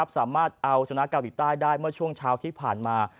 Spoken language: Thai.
สามารถเอาชนะเกาหลีใต้ได้เมื่อช่วงเช้าที่ผ่านมา